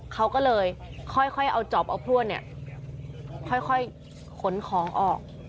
เขาก็เลยค่อยเอาจอบเอาพลวดเนี่ยค่อยขนของออก